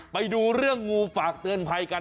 ไปดูเรื่องงูฝากเตือนภัยกัน